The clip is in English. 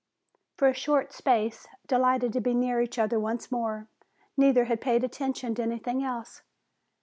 For a short space, delighted to be near each other once more, neither had paid attention to anything else.